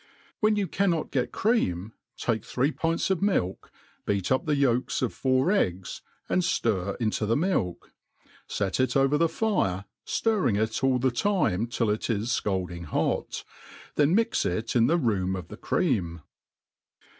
When you cannot get cream, take three pints of milk, beat up the yolks of four egg^, and fiir into the milk, fet it over the fire^ ftirring it all the time till i( M fcatdiog bpt^ then mix it in the room of the cream.